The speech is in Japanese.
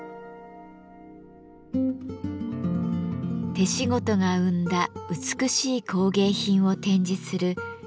手仕事が生んだ美しい工芸品を展示する日本民藝館。